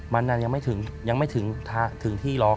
มันนั้นยังไม่ถึงที่รอบ